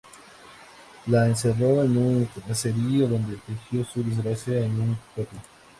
La encerró en un caserío, dónde tejió su desgracia en un peplo.